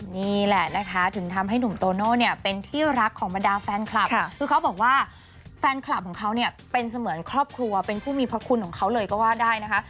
นี่แหละนะคะถึงทำให้หนุ่มโตโน่เนี่ยเป็นที่รักของบรรดาแฟนคลับคือเขาบอกว่าแฟนคลับของเขาเนี่ยเป็นเสมือนครอบครัวเป็นผู้มีพระคุณของเขาเลยก็ว่าได้นะคะ